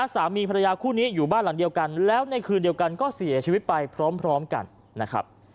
สามีภรรยาคู่นี้อยู่บ้านหลังเดียวกันแล้วในคืนเดียวกันก็เสียชีวิตไปพร้อมกันนะครับ